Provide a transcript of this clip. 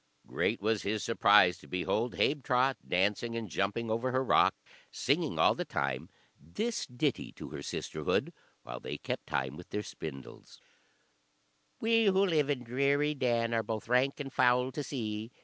Great was his surprise to behold Habetrot dancing and jumping over her rock, singing all the time this ditty to her sisterhood, while they kept time with their spindles: "We who live in dreary den, Are both rank and foul to see?